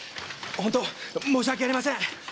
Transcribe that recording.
本当申し訳ありません。